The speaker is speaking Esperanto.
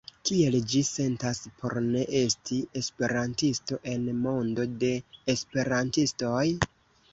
Kiel ĝi sentas por ne esti esperantisto en mondo de esperantistoj?